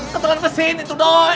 ketelan mesin itu doi